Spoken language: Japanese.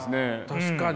確かに。